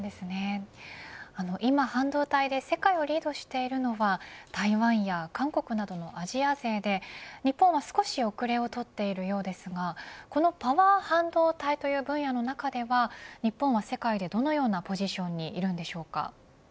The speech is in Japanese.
今、半導体で世界をリードしているのは台湾や韓国などのアジア勢で日本は少し後れをとっているようですがこのパワー半導体という分野の中では日本は世界でどのようなポジションにいるんでしょうか。